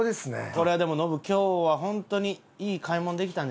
これはでもノブ今日は本当にいい買い物できたんじゃない？